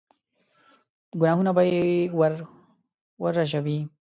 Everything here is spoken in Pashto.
ګناهونه به يې ور ورژوي.